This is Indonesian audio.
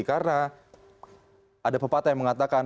karena ada pepatah yang mengatakan